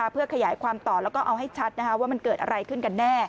เพื่อขยายความต่อแล้วก็เอาให้ชัดว่ามันเกิดอะไรขึ้นกันแน่